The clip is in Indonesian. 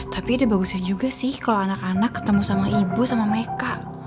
tapi udah bagusnya juga sih kalau anak anak ketemu sama ibu sama mereka